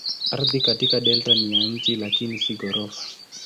Ardhi katika delta ni ya chini lakini si ghorofa.